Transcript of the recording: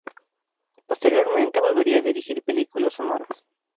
Posteriormente, volvería a dirigir películas sonoras.